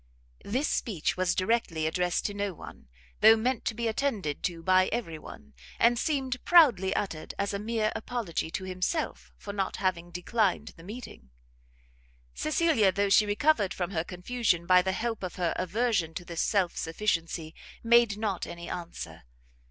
This speech was directly addressed to no one, though meant to be attended to by every one, and seemed proudly uttered as a mere apology to himself for not having declined the meeting. Cecilia, though she recovered from her confusion by the help of her aversion to this self sufficiency, made not any answer.